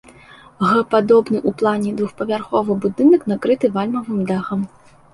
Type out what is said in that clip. Г-падобны ў плане двухпавярховы будынак накрыты вальмавым дахам.